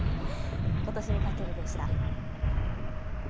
ことしにかけるでした。